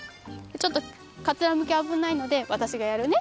ちょっとかつらむきあぶないのでわたしがやるね。